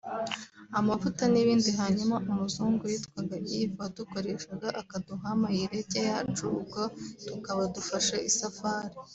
amavuta n’ibindi hanyuma umuzungu witwaga Yves wadukoreshaga akaduha mayirege yacu ubwo tukaba dufashe isafari